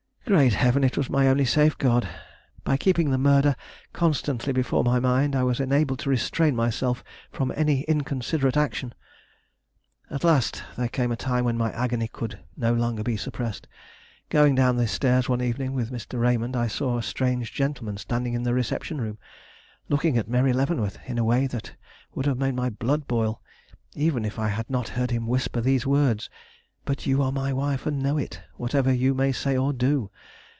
Great heaven! it was my only safeguard. By keeping the murder constantly before my mind, I was enabled to restrain myself from any inconsiderate action. At last there came a time when my agony could be no longer suppressed. Going down the stairs one evening with Mr. Raymond, I saw a strange gentleman standing in the reception room, looking at Mary Leavenworth in a way that would have made my blood boil, even if I had not heard him whisper these words: "But you are my wife, and know it, whatever you may say or do!"